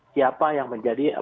siapa yang menjadi